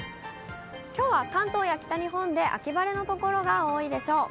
きょうは関東や北日本で秋晴れの所が多いでしょう。